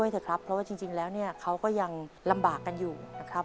เพราะว่าจริงแล้วเขาก็ยังลำบากกันอยู่นะครับ